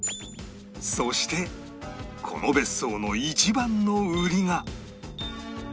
そしてこの別荘の一番の売りが